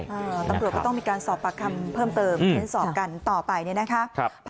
ตำรวจก็ต้องมีการสอบปากคำเพิ่มเติมเพราะฉะนั้นสอบกันต่อไปนะครับ